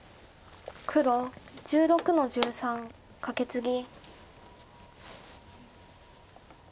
黒１６の十三カケツギ。